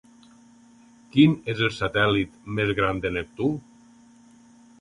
Quin és el satèl·lit més gran de Neptú?